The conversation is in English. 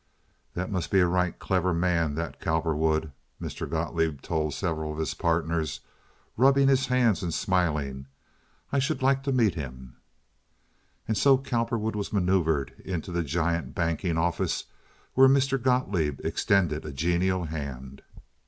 "Dot must be a right cleffer man, dot Cowperwood," Mr. Gotloeb told several of his partners, rubbing his hands and smiling. "I shouldt like to meet him." And so Cowperwood was manoeuvered into the giant banking office, where Mr. Gotloeb extended a genial hand.